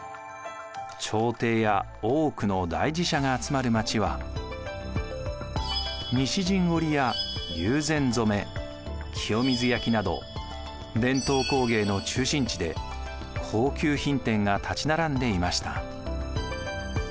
朝廷や多くの大寺社が集まる町は西陣織や友禅染清水焼など伝統工芸の中心地で高級品店が立ち並んでいました。